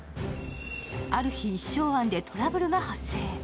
ある日、一升庵でトラブルが発生。